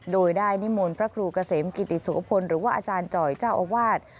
โดยได้นิมนต์พระครูเกษมกิติโสพลหรือว่าอาจารย์จ่อยเจ้าอาวาส